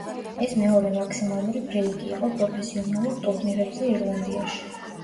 ეს მეორე მაქსიმალური ბრეიკი იყო პროფესიონალურ ტურნირებზე ირლანდიაში.